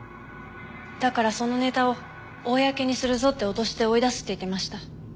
だからそのネタを公にするぞって脅して追い出すって言ってました。